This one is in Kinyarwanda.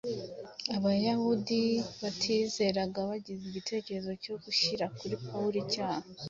Abayahudi batizeraga bagize igitekerezo cyo gushyira kuri Pawulo icyaha